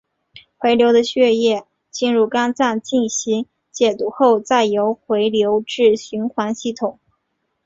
回流的血液进入肝脏进行解毒后再由回流至循环系统。